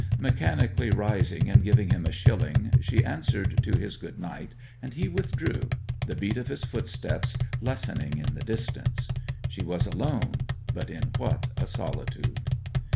Mechanically rising and giving him a shilling, she answered to his 'good night,' and he withdrew, the beat of his footsteps lessening in the distance. She was alone; but in what a solitude.